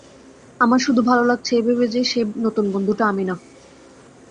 আমার শুধু ভালো লাগছে এই ভেবে যে সেই নতুন বন্ধুটা আমি না।